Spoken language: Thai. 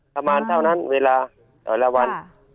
ประมาณเท่านั้นเวลาแต่ละวัน